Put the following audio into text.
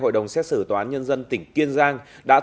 hội đồng xét xử tòa án nhân dân tỉnh kiên giang đã